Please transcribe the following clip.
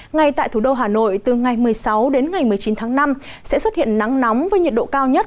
ngay tại thủ đô hà nội từ ngày một mươi sáu đến ngày một mươi chín tháng năm sẽ xuất hiện nắng nóng với nhiệt độ cao nhất